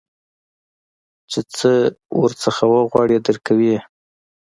چې سه ورنه وغواړې درکوي يې.